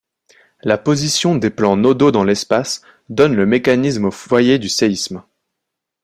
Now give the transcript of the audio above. La position des plans nodaux dans l'espace donne le mécanisme au foyer du séisme.